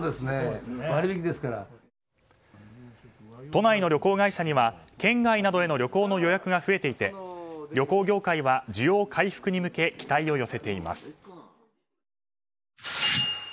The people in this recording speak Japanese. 都内の旅行会社には県外などへの旅行の予約が増えていて、旅行業界は需要回復に向け期待を寄せています。